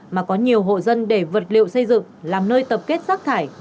mà có nhiều hộ dân để vật liệu xây dựng làm nơi tập kết rác thải